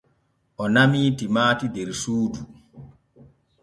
O namii timaati der suudu.